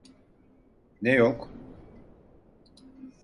Ne yok?